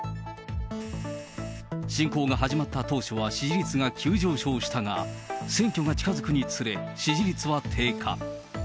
侵攻が始まった当初は支持率が急上昇したが、選挙が近づくにつれ支持率は低下。